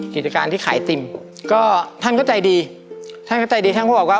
กิจการที่ขายติ่มก็ท่านก็ใจดีท่านก็ใจดีท่านก็บอกว่า